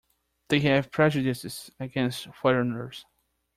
They have prejudices against foreigners.